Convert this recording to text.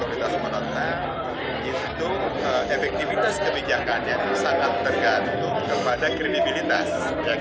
itu efektivitas kebijakan yang sangat tergantung kepada kredibilitas